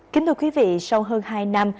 kính thưa quý vị sau hơn hai năm